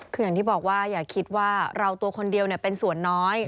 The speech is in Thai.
คืออย่างที่บอกว่าอย่าคิดว่าเราตัวคนเดียวเป็นส่วนน้อย